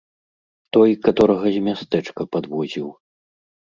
Той, каторага з мястэчка падвозіў.